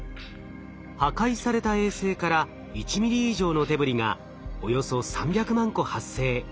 破壊された衛星から１ｍｍ以上のデブリがおよそ３００万個発生。